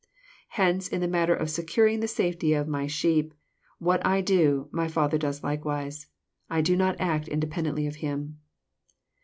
Hence, in the matter of securing the safety of my sheep, what I do, my Father does likewise. I do not act independently of Him."